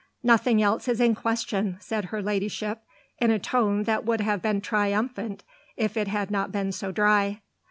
"Nothing else is in question!" said her ladyship in a tone that would have been triumphant if it had not been so dry.